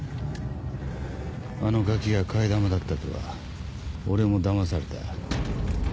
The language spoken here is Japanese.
あのガキが替え玉だったとは俺もだまされた。